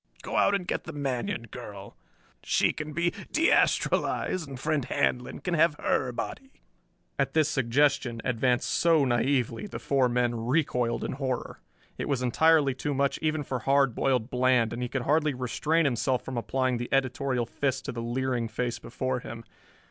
"Go out and get the Manion girl. She can be de astralized and friend Handlon can have her body." At this suggestion, advanced so naïvely, the four men recoiled in horror. It was entirely too much even for Hard Boiled Bland, and he could hardly restrain himself from applying the editorial fist to the leering face before him.